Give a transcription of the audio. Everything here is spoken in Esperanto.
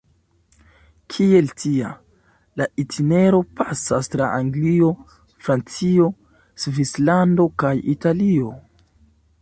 Kiel tia, la itinero pasas tra Anglio, Francio, Svislando kaj Italio.